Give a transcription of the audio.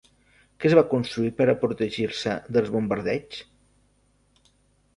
Què es va construir per a protegir-se dels bombardeigs?